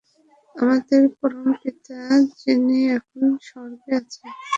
আমাদের পরম পিতা, যিনি এখন স্বর্গে আছেন!